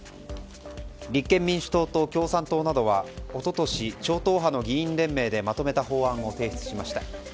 立憲民主党と共産党などは一昨年、超党派の議員連盟でまとめた法案を提出しました。